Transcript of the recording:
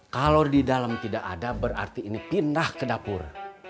kalau di dalam tidak ada berarti ini pindah ke dapur